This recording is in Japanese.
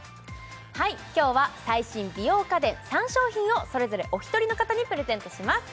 はい今日は最新美容家電３商品をそれぞれお一人の方にプレゼントします